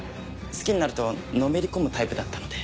好きになるとのめり込むタイプだったので。